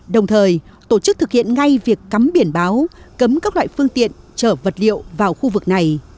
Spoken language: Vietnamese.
đồng thời tổ chức thực hiện ngay việc cắm biển báo cấm các loại phương tiện chở vật liệu vào khu vực này